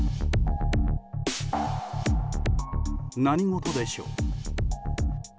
何事でしょう。